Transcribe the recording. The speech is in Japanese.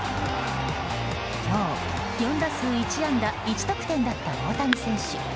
今日、４打数１安打１得点だった大谷選手。